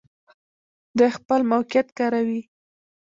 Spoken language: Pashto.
دوی خپل موقعیت کاروي.